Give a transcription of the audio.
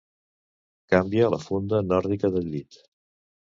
Canvia la funda nòrdica del llit